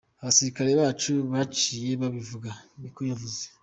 Abasirikare bacu baciye babivuna," niko yavuze.